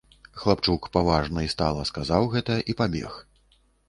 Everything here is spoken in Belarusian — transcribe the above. Хлапчук паважна і стала сказаў гэта і пабег.